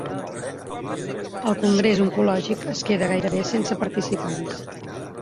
El congrés oncològic es queda gairebé sense participants